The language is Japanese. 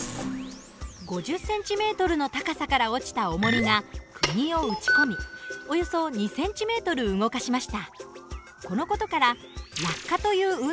５０ｃｍの高さから落ちたおもりがくぎを打ち込みおよそ２ｃｍ動かしました。